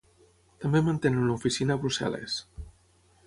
També mantenen una oficina a Brussel·les.